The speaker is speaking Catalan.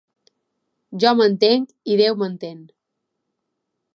Jo m'entenc i Déu m'entén.